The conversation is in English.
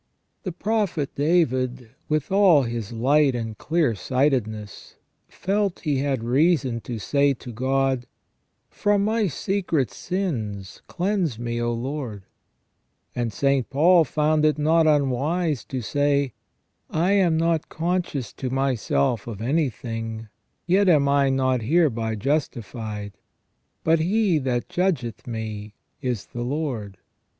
The prophet David, with all his light and clear sightedness, felt he had reason to say to God :" From my secret sins cleanse me, O Lord ". And St. Paul found it not unwise to say : "I am not conscious to myself of anything, yet am I not hereby justified : but He that judgeth me is the Lord